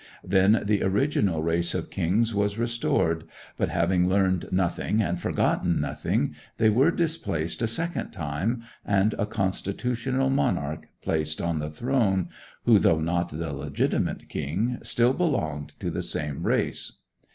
Then the original race of kings was restored; but, having learned nothing and forgotten nothing, they were displaced a second time, and a constitutional monarch placed on the throne, who, though not the legitimate king, still belonged to the same race.